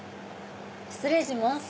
失礼します！